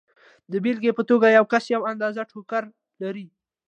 د بېلګې په توګه یو کس یوه اندازه ټوکر لري